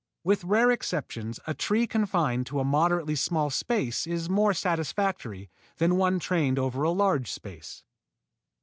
With rare exceptions a tree confined to a moderately small space is more satisfactory than one trained over a large space.